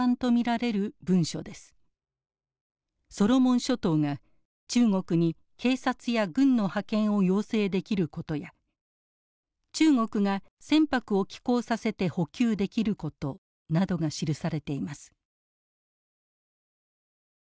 ソロモン諸島が中国に警察や軍の派遣を要請できることや中国が船舶を寄港させて補給できることなどが記されています。